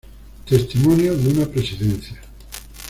Testimonio de una Presidencia.